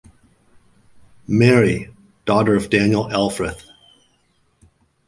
Mary, daughter of Daniel Elfrith.